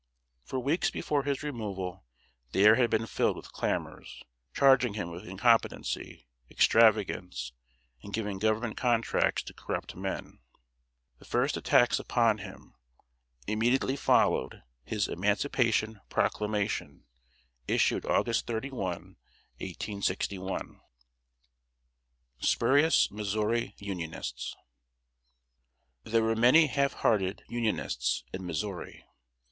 For weeks before his removal the air had been filled with clamors, charging him with incompetency, extravagance, and giving Government contracts to corrupt men. The first attacks upon him immediately followed his Emancipation Proclamation, issued August 31, 1861. [Sidenote: SPURIOUS MISSOURI UNIONISTS.] There were many half hearted Unionists in Missouri.